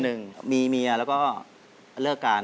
เพื่อจะไปชิงรางวัลเงินล้าน